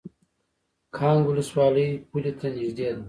کانګ ولسوالۍ پولې ته نږدې ده؟